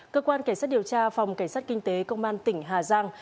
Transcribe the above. cơ quan cảnh sát điều tra phòng cảnh sát kinh tế công an tỉnh hà giang